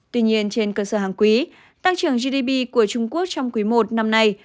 tuy nhiên trên cơ sở hàng quý tăng trưởng gdp của trung quốc trong quý i năm nay